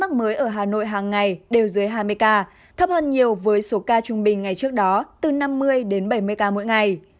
ca mắc mới ở hà nội hàng ngày đều dưới hai mươi ca thấp hơn nhiều với số ca trung bình ngày trước đó từ năm mươi đến bảy mươi ca mỗi ngày